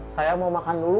saya mau makan dulu